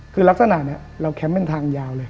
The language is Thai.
คือลักษณะนี้เราแคมป์เป็นทางยาวเลย